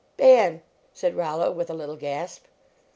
" Ban," said Rollo, with a little gasp.